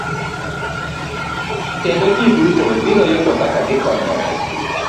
Kendo ji duto biro yudo kaka gikonyore.